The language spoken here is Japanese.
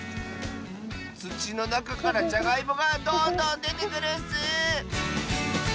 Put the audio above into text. つちのなかからじゃがいもがどんどんでてくるッス！